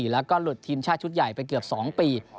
แล้วก็หลุดทีมชาติชุดใหญ่ไปเกือบ๒ปี